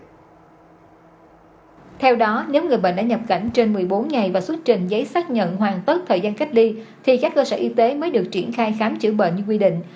theo đó nếu người bệnh đã nhập cảnh trên một mươi bốn ngày và xuất trình giấy xác nhận hoàn tất thời gian cách ly thì các cơ sở y tế mới được triển khai khám chữa bệnh như quy định